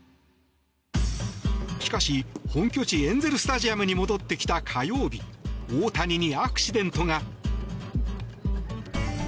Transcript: しかし、本拠地エンゼル・スタジアムに戻ってきた火曜日大谷にアクシデントが。